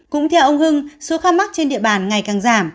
cũng theo ông hưng số ca mắc trên địa bàn ngày càng giảm